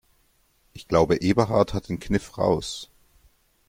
Ich glaube, Eberhard hat den Kniff raus.